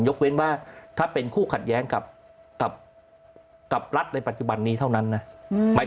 เว้นว่าถ้าเป็นคู่ขัดแย้งกับรัฐในปัจจุบันนี้เท่านั้นนะ